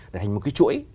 để thành một cái chuỗi